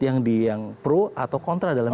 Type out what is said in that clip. yang pro atau kontra dalam